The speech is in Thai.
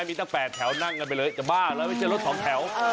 มีแต่๘แถวนั่งกันไปเลยจะบ้าแล้วไม่ใช่ลด๒แถว